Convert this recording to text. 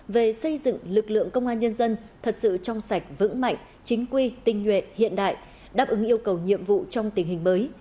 về xây dựng lực lượng công an nhân dân thật sự trong sạch vững mạnh chính quy tinh nhuệ hiện đại đáp ứng yêu cầu nhiệm vụ trong tình hình mới